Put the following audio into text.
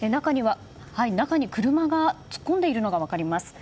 中に車が突っ込んでいるのが分かります。